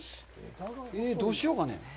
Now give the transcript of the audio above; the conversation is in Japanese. どうしようかねぇ。